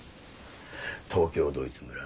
東京ドイツ村。